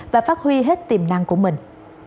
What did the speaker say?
và phát huy hết tiềm năng của mình